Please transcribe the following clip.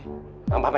tidak ada yang mencari